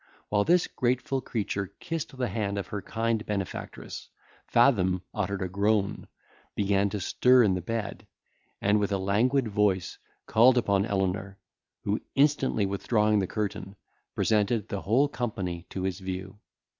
While this grateful creature kissed the hand of her kind benefactress, Fathom uttered a groan, began to stir in the bed, and with a languid voice called upon Elenor, who, instantly withdrawing the curtain, presented the whole company to his view.